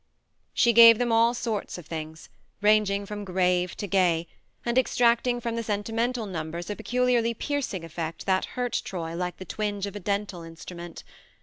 She gave them all sorts of things, 102 THE MARNE ranging from grave to gay, and extract ing from the sentimental numbers a peculiarly piercing effect that hurt Troy like the twinge of a dental instrument.